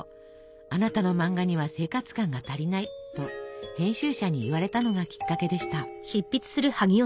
「あなたの漫画には生活感が足りない」と編集者に言われたのがきっかけでした。